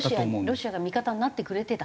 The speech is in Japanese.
ロシアが味方になってくれてた？